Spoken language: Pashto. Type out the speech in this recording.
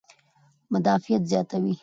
او مدافعت زياتوي -